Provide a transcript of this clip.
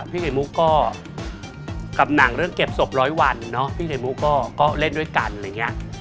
ไข่มุกก็กับหนังเรื่องเก็บศพร้อยวันเนาะพี่ไข่มุกก็เล่นด้วยกันอะไรอย่างนี้